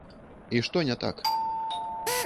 І што не так?